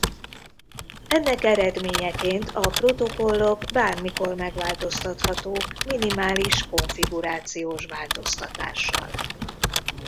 Ennek eredményeként a protokollok bármikor megváltoztathatók minimális konfigurációs változtatással.